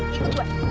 ah ikut gue